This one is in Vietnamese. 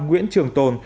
nguyễn trường tồn